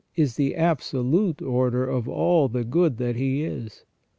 197 is the absolute order of all the good that He is.